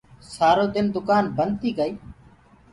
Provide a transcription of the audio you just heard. سآرو دن دُڪآن بنٚد تيٚ ڪآئيٚ